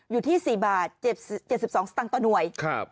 อยู่ที่๔บาท๗๒สตางค์ต่อหน่วย